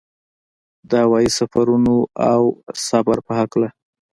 د هوايي سفرونو او صبر په هکله.